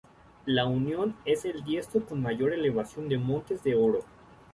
La Unión es el distrito con mayor elevación de Montes de Oro.